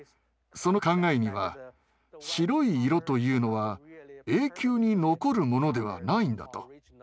その考えには白い色というのは永久に残るものではないんだと。